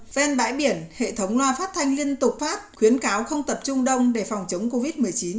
ven bãi biển hệ thống loa phát thanh liên tục phát khuyến cáo không tập trung đông để phòng chống covid một mươi chín